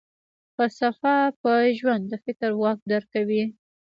فلسفه پر ژوند د فکر واک درکوي.